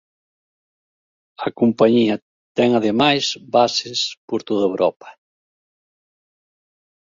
A compañía ten ademais bases por toda Europa.